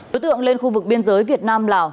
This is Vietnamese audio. đối tượng lên khu vực biên giới việt nam lào